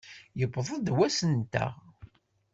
Yewweḍ-d wass-nteɣ!